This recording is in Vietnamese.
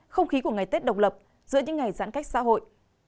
không khí của ngày tết độc lập giữa những ngày giãn cách xã hội